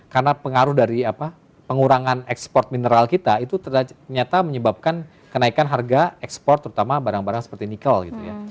karena pengaruh dari apa pengurangan ekspor mineral kita itu ternyata menyebabkan kenaikan harga ekspor terutama barang barang seperti nikel gitu ya